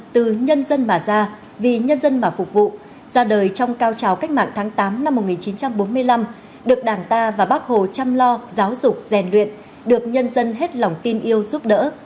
từ nhân dân mà ra vì nhân dân mà phục vụ ra đời trong cao trào cách mạng tháng tám năm một nghìn chín trăm bốn mươi năm được đảng ta và bác hồ chăm lo giáo dục rèn luyện được nhân dân hết lòng tin yêu giúp đỡ